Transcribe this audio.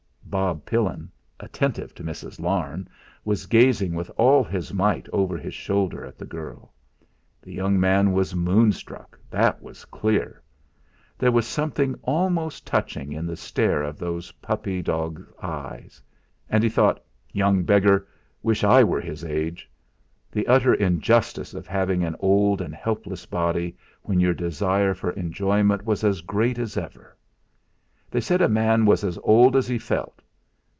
Bob Pillin, attentive to Mrs. Larne, was gazing with all his might over her shoulder at the girl. The young man was moonstruck, that was clear! There was something almost touching in the stare of those puppy dog's eyes. And he thought 'Young beggar wish I were his age!' The utter injustice of having an old and helpless body, when your desire for enjoyment was as great as ever! They said a man was as old as he felt!